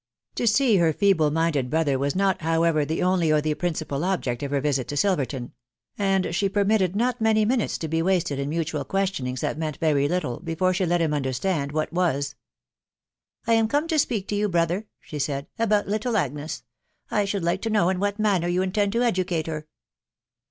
To see her feeble minded, broth was, not, however^ tttex only or the principal object o£ her visit to Silverton ; and ah't* permitted not many minutes to be wasted in mutual question*^ ings that meant very little, before she lefchtoimderstand what was* " I am. come to speak to yoiv brother*!* she said, "atasfc: little Agnes, L should like, to know in ;whalr. manner yoniin»». tend to educate her